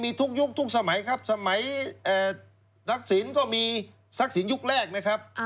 มีทุกยุคทุกสมัยครับสมัยทักษิณก็มีทรัพย์สินยุคแรกนะครับ